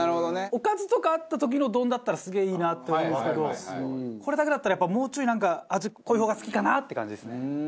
おかずとかあった時の丼だったらすげえいいなって思うんですけどこれだけだったらやっぱもうちょいなんか味濃い方が好きかなって感じですね。